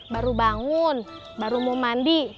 baru bangun baru mau mandi